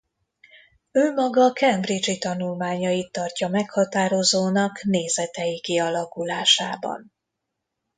Ő maga cambridge-i tanulmányait tartja meghatározónak nézetei kialakulásában.